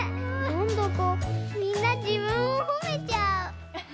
なんだかみんなじぶんをほめちゃう。